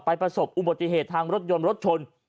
ประสบอุบัติเหตุทางรถยนต์รถชน